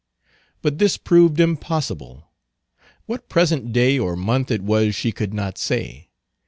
But this proved impossible. What present day or month it was she could not say.